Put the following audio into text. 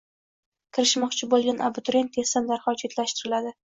Kirishmoqchi bo'lgan abituriyent testdan darhol chetlatiladi